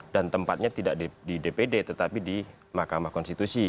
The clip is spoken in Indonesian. dan tempatnya tidak di dpd tetapi di makamah konstitusi